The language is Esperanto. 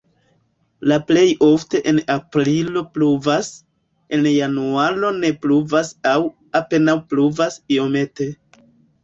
La plej ofte en aprilo pluvas, en januaro ne pluvas aŭ apenaŭ pluvas iomete.